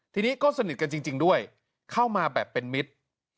ทีนี้ก็สนิทกันจริงด้วยเข้ามาแบบเป็นมิตร